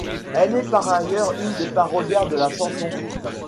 Elle est par ailleurs une des parolières de la chanson.